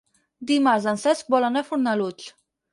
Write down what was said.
Dimarts en Cesc vol anar a Fornalutx.